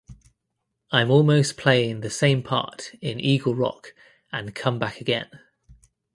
I’m almost playing the same part in "Eagle Rock" and "Come Back Again".